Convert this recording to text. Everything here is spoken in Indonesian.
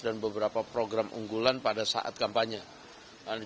dan beberapa program unggulan pada saat kampanye